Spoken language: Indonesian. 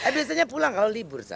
biasanya pulang kalau libur